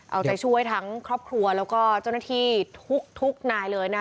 เอาใจช่วยทั้งครอบครัวแล้วก็เจ้าหน้าที่ทุกนายเลยนะคะ